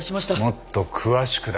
もっと詳しくだ。